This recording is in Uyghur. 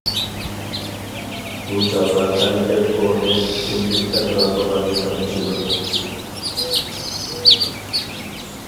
بۇ چاغدا ھەرىكەت ئورنى كىندىك ئەتراپىغا يېقىنلىشىدۇ.